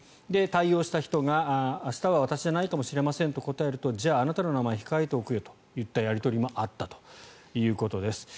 対応した人が明日は私じゃないかもしれませんと答えるとじゃあ、あなたの名前控えておくよといったやり取りもあったということです。